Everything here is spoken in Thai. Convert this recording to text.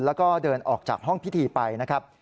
แล้วก็เดินออกจากห้องพิธีไปนะครับ